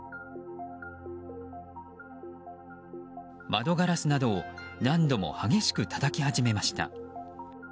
窓ガラスなどを何度も激しくたたき始めました。